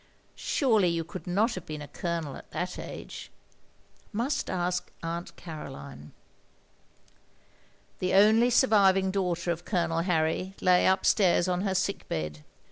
Surely you could not have been a Colonel at that age. I must ask Aunt Caroline. " The only surviving daughter of Colonel Harry lay upstairs on her sick bed.